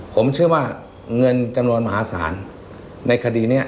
ผมเชื่อว่าเงินจำนวนมหาศาลในคดีนี้